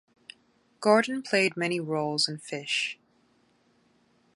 Gordon played many roles in Phish.